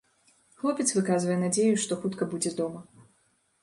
Хлопец выказвае надзею, што хутка будзе дома.